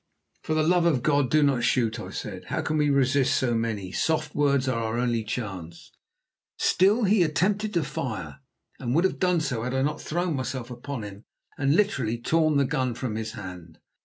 "For the love of God, do not shoot!" I said. "How can we resist so many? Soft words are our only chance." Still he attempted to fire, and would have done so had I not thrown myself upon him and literally torn the gun from his hand.